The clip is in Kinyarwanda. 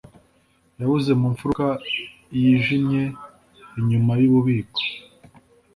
yabuze mu mfuruka yijimye inyuma yububiko